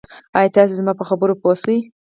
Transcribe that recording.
آیا تاسي زما په خبرو پوه شوي